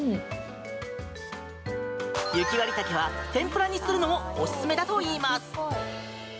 雪割茸は天ぷらにするのもおすすめだといいます。